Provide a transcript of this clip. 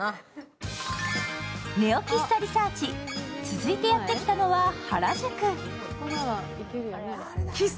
続いてやってきたのは原宿。